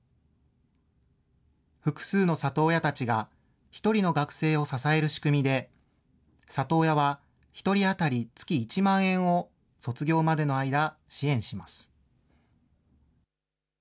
複数の里親たちが１人の学生を支える仕組みで、里親は１人当たり月１万円を卒業までの間、支援します。